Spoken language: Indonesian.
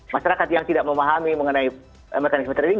masyarakat yang tidak memahami mengenai mekanisme trading